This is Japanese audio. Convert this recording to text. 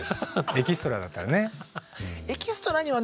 エキストラだったらねうん。